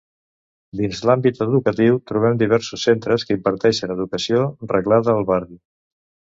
Dins l'àmbit educatiu trobem diversos centres que imparteixen educació reglada al barri.